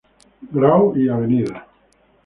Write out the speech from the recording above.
Grau y Av.